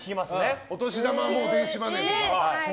お年玉も電子マネーとか。